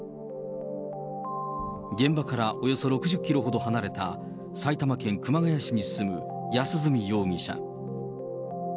現場からおよそ６０キロほど離れた埼玉県熊谷市に住む安栖容疑者。